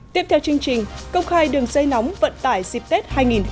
tiếp theo chương trình công khai đường xây nóng vận tải dịp tết hai nghìn một mươi chín